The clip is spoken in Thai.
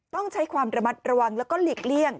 ต้องใช้ความระมัดระวังแล้วก็หลีกเลี่ยง